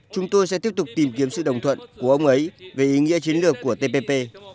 chúng tôi sẽ tiếp tục tìm kiếm sự đồng thuận của ông ấy về ý nghĩa chiến lược của tpp